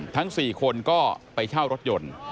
ทั้ง๔คนก็ไปเช่ารถยนต์